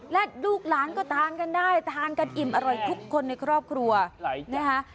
และลูกหลานก็ทานกันได้ทานกันอิ่มอร่อยทุกคนในครอบครัวนะคะ